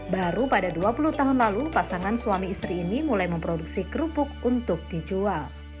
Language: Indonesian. baru pada dua puluh tahun lalu pasangan suami istri ini mulai memproduksi kerupuk untuk dijual